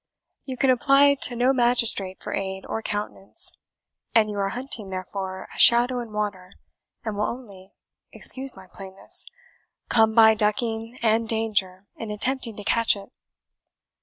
You can apply to no magistrate for aid or countenance; and you are hunting, therefore, a shadow in water, and will only (excuse my plainness) come by ducking and danger in attempting to catch it."